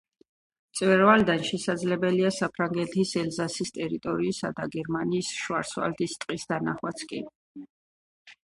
მწვერვალიდან შესაძლებელია საფრანგეთის ელზასის ტერიტორიისა და გერმანიის შვარცვალდის ტყის დანახვაც კი.